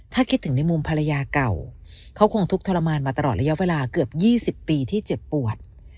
ถ้าคิดถึงในมุมภรรยาเก่าเขาคงทุกข์ทรมานมาตลอดระยะเวลาเกือบ๒๐ปีที่เจ็บปวด